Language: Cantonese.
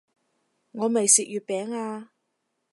我未食月餅啊